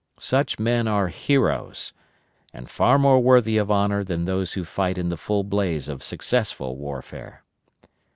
Such men are heroes, and far more worthy of honor than those who fight in the full blaze of successful warfare.